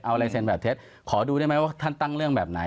เอาลายเซ็นแบบเท็จขอดูได้ไหมว่าท่านตั้งเรื่องแบบไหน